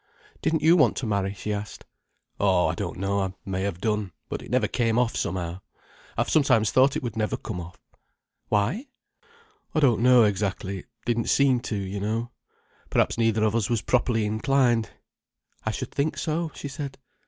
"Didn't you want to marry?" she asked. "Oh, I don't know. I may have done. But it never came off, somehow. I've sometimes thought it never would come off." "Why?" "I don't know, exactly. It didn't seem to, you know. Perhaps neither of us was properly inclined." "I should think so," she said.